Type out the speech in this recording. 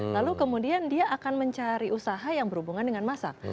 lalu kemudian dia akan mencari usaha yang berhubungan dengan masa